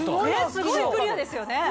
すごいクリアですよね。